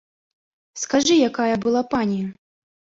Скажы, якая была пані!